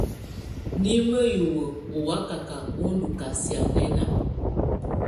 Nimǝ́ hiwǝ ɔ́ wakaka ɔ́ ndɔ́ kasianɛna.